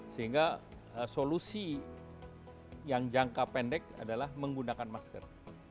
sehingga solusi yang jangka pendek adalah menggunakan masker